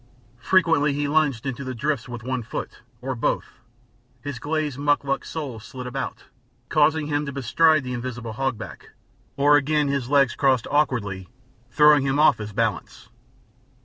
Frequently he lunged into the drifts with one foot, or both; his glazed mukluk soles slid about, causing him to bestride the invisible hogback, or again his legs crossed awkwardly, throwing him off his balance.